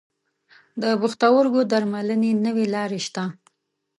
د پښتورګو درملنې نوي لارې شته.